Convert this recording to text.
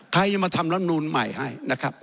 นายจะมาทำรับรุมใหนใหม่นะครับ